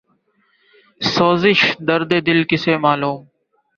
سوزش درد دل کسے معلوم